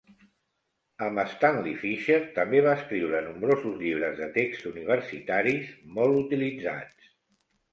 Amb Stanley Fischer també va escriure nombrosos llibres de text universitaris molt utilitzats.